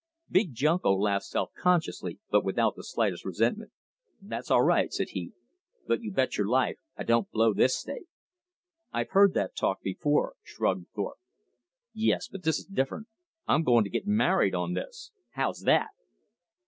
Big Junko laughed self consciously but without the slightest resentment. "That's all right," said he, "but you betcher life I don't blow this stake." "I've heard that talk before," shrugged Thorpe. "Yes, but this is different. I'm goin' to git married on this. How's THAT?"